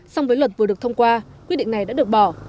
xong với luật vừa được thông qua quy định này đã được bỏ